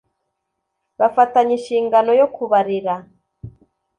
bafatanya inshingano yo kubarera